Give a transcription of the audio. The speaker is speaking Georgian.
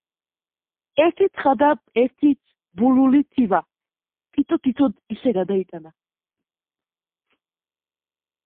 ერთი თხა და ერთი ბულული თივა თითო-თითოდ ისე გადაიტანე